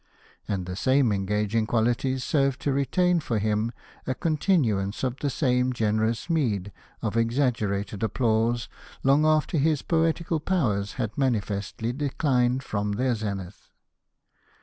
And the same engaging qualities sei ved to retain for him a continuance of the same generous meed of exaggerated applause long after his poetical powers had manifestly declined from their zenith.